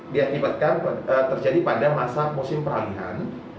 diakibatkan terjadi pada masa musim peralihan